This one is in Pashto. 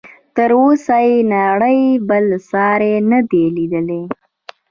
تر اوسه یې نړۍ بل ساری نه دی لیدلی.